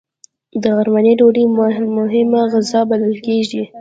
د غرمنۍ ډوډۍ مهمه غذا بلل کېږي